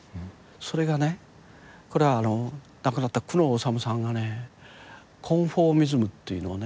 それがねこれはあの亡くなった久野収さんがねコンフォーミズムっていうのをね